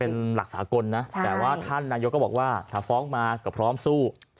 เป็นหลักสากลนะแต่ว่าท่านนายกก็บอกว่าถ้าฟ้องมาก็พร้อมสู้